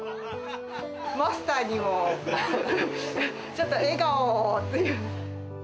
マスターにも、ちょっと笑顔を。